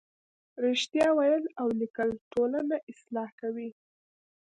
رښتیا ویل او لیکل ټولنه اصلاح کوي.